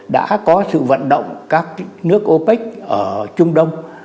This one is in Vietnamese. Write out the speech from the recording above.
đã có sự vận động các nước opec ở trung đông